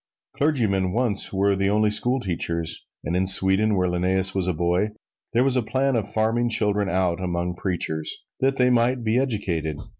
Clergymen once were the only schoolteachers, and in Sweden, when Linnæus was a boy, there was a plan of farming children out among preachers that they might be educated.